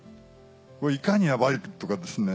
「いかにヤバい」とかですね